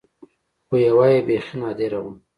خو يوه يې بيخي نادره وه.